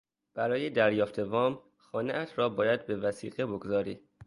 برای دریافت وام، خانهات را باید به وثیقه بگذاری.